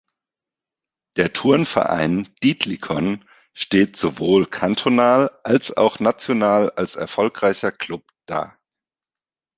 Der Turnverein Dietlikon steht sowohl kantonal als auch national als erfolgreicher Club da.